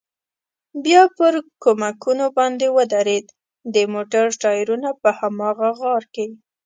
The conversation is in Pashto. بیا پر کومکونو باندې ودرېد، د موټر ټایرونه په هماغه غار کې.